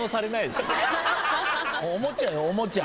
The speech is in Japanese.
おもちゃよおもちゃ。